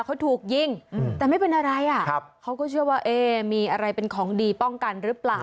เขาถูกยิงแต่ไม่เป็นอะไรอ่ะครับเขาก็เชื่อว่าเอ๊มีอะไรเป็นของดีป้องกันหรือเปล่า